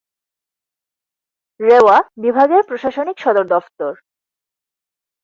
রেওয়া বিভাগের প্রশাসনিক সদর দফতর।